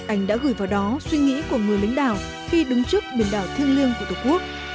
anh đã gửi vào đó suy nghĩ của người lãnh đạo khi đứng trước biển đảo thiêng liêng của tổ quốc